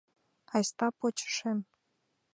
— Айста почешем.